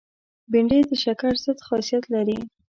بېنډۍ د شکر ضد خاصیت لري